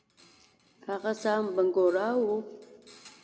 هغه سام بنګورا وو.